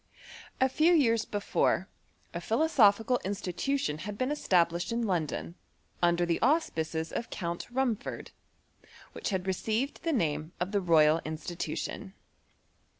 A few years before, a philosophical institution had been established iu London, imder the auspices of Count Rumford, wliich bad received the name ot the Royal Institution.